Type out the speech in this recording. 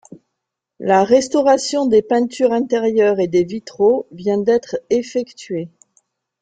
La restauration des peintures intérieures et des vitraux vient d'être effectuée.